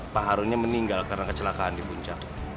pak harunnya meninggal karena kecelakaan di puncak